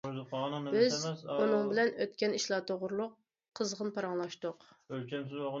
بىز ئۇنىڭ بىلەن ئۆتكەن ئىشلار توغرىلىق قىزغىن پاراڭلاشتۇق.